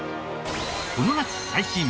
この夏最新！